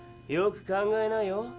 よく考えなよ。